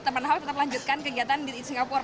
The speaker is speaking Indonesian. teman ahok tetap melanjutkan kegiatan di singapura